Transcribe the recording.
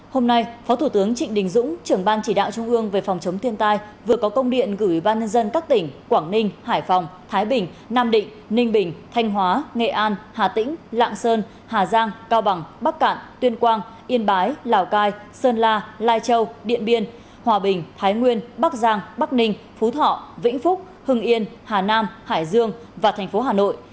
hôm nay phó thủ tướng trịnh đình dũng trưởng ban chỉ đạo trung ương về phòng chống thiên tai vừa có công điện gửi ban nhân dân các tỉnh quảng ninh hải phòng thái bình nam định ninh bình thanh hóa nghệ an hà tĩnh lạng sơn hà giang cao bằng bắc cạn tuyên quang yên bái lào cai sơn la lai châu điện biên hòa bình thái nguyên bắc giang bắc ninh phú thọ vĩnh phúc hưng yên hà nam hải dương và thành phố hà nội